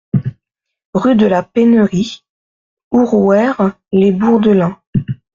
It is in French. Rue de la Pennerie, Ourouer-les-Bourdelins